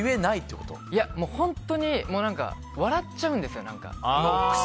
本当に笑っちゃうんですよ。